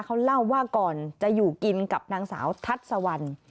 เขาเล่าว่าก่อนจะอยู่กินกับนางสาวทัศวรรณ